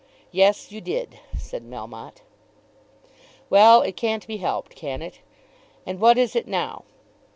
"Yes, you did," said Melmotte. "Well; it can't be helped; can it? And what is it now?"